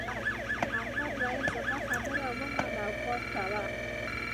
احمد وویل زما خبره ومنه او پام کوه.